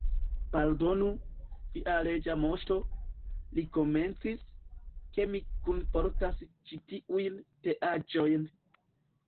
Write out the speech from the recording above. "Pardonu, via Reĝa Moŝto," li komencis, "ke mi kunportas ĉi tiujn teaĵojn.